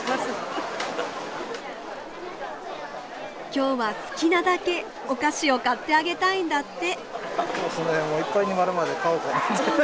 今日は好きなだけお菓子を買ってあげたいんだって。